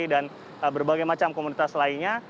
dan berbagai macam komunitas lainnya